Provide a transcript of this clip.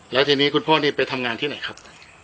แล้วทีนี้คุณพ่อนี่ไปทำงานที่ไหนครับ